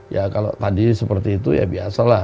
ya kalau tadi seperti itu ya biasa lah